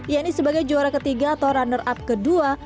yaitu sebagai juara ketiga atau runner up kedua